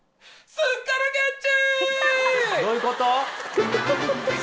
すっからけっち。